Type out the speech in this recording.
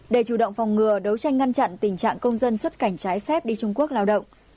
để chủ động phòng ngừa đấu tranh ngăn chặn tình trạng công dân xuất cảnh trái phép đi trung quốc lao động